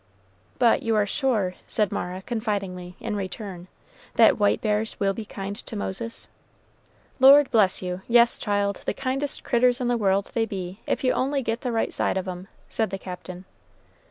"But, you are sure," said Mara, confidingly, in return, "that white bears will be kind to Moses?" "Lord bless you, yes, child, the kindest critturs in the world they be, if you only get the right side of 'em," said the Captain.